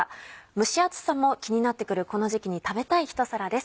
蒸し暑さも気になってくるこの時期に食べたい一皿です。